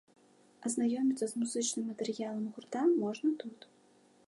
Азнаёміцца з музычным матэрыялам гурта можна тут.